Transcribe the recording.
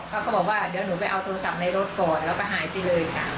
เขาก็บอกว่าเดี๋ยวหนูไปเอาโทรศัพท์ในรถก่อนแล้วก็หายไปเลยค่ะ